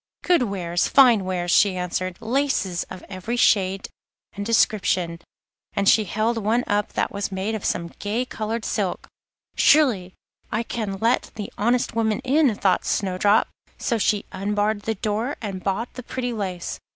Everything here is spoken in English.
'Good wares, fine wares,' she answered; 'laces of every shade and description,' and she held one up that was made of some gay coloured silk. 'Surely I can let the honest woman in,' thought Snowdrop; so she unbarred the door and bought the pretty lace.